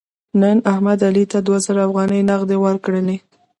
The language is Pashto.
نن احمد علي ته دوه زره افغانۍ نغدې ورکړلې.